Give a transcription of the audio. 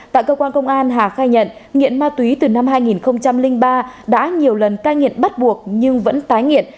tại cơ quan công an hà khai nhận nghiện ma túy từ năm hai nghìn ba đã nhiều lần cai nghiện bắt buộc nhưng vẫn tái nghiện